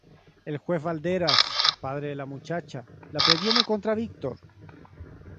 El juez Balderas, padre de la muchacha, la previene contra Víctor.